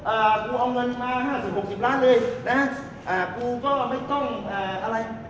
เอ่อกูเอาเงินมา๕๐๖๐ล้านเลยนะคะกูก็ไม่ต้องเอ่ออะไร